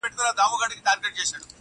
پتڼ خو نه یم چي د عقل برخه نه لرمه٫